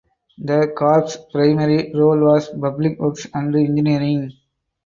The Corps primary role was public works and engineering.